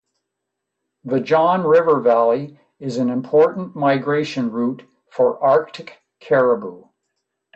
The John River Valley is an important migration route for Arctic caribou.